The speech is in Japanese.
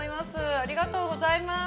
ありがとうございます。